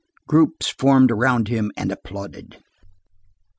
Groups formed around him, and applauded.